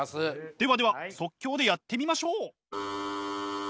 ではでは即興でやってみましょう！